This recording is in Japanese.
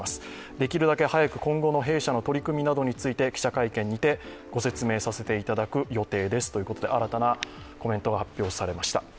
できるだけ早く今後の弊社の取り組みなどについて記者会見にてご説明させていただく予定ですということで新たなコメントが発表されました。